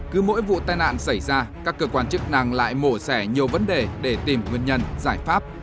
cứ mỗi vụ tai nạn xảy ra các cơ quan chức năng lại mổ xẻ nhiều vấn đề để tìm nguyên nhân giải pháp